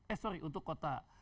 eh sorry untuk kota